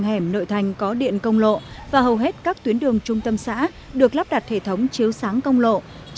hẻm nội thành có điện công lộ và hầu hết các tuyến đường trung tâm xã được lắp đặt hệ thống chiếu sáng công lộ